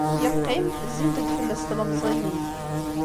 Yeqqim, zzint-d fell-as tlemẓiyin.